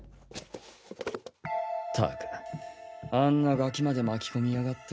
ったくあんなガキまで巻き込みやがって。